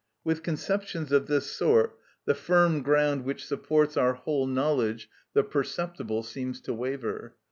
With conceptions of this sort the firm ground which supports our whole knowledge, the perceptible, seems to waver.